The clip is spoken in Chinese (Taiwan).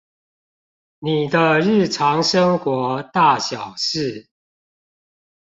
你的日常生活大小事